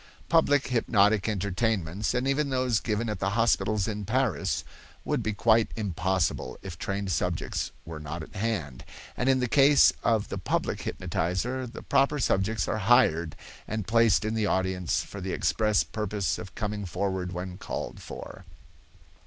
Public hypnotic entertainments, and even those given at the hospitals in Paris, would be quite impossible if trained subjects were not at hand; and in the case of the public hypnotizer, the proper subjects are hired and placed in the audience for the express purpose of coming forward when called for.